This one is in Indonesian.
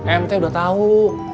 em teh udah tau